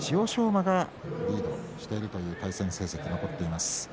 馬がリードしているという対戦成績が残っています。